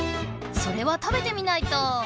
それは食べてみないと！